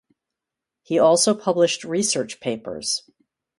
He also published research papers.